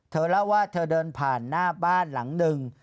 เธอเล่าว่าเธอเดินผ่านหน้าบ้านหลังหนึ่ง